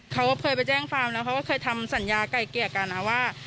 เขาเคยไปแจ้งความแล้วเขาก็เคยทำสัญญาไก่เกลี่ยกันนะว่า